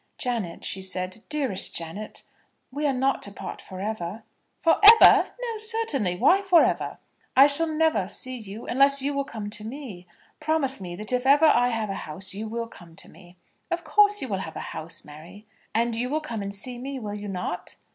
"Janet," she said, "dearest Janet, we are not to part for ever?" "For ever! No, certainly. Why for ever?" "I shall never see you, unless you will come to me. Promise me that if ever I have a house you will come to me." "Of course you will have a house, Mary." "And you will come and see me, will you not?